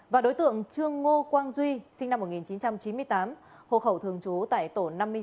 và đối tượng trương ngô quang duy sinh năm một nghìn chín trăm chín mươi tám hộ khẩu thường trú tại tổ năm mươi sáu